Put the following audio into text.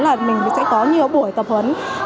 là mình sẽ có nhiều buổi tập huấn